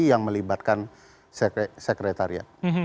yang melibatkan sekretariat